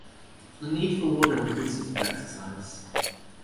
The need for water increases with exercise.